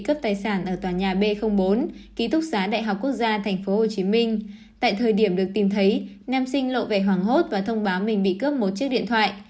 các bạn có thể nhìn thấy nam sinh lộ vẻ hoảng hốt và thông báo mình bị cướp một chiếc điện thoại